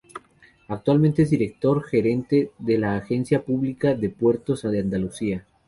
Actualmente es Director Gerente de la Agencia Pública de puertos de Andalucía.